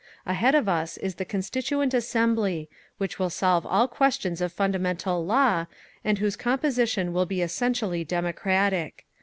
Ahead of us is the Constituent Assembly, which will solve all questions of fundamental law, and whose composition will be essentially democratic.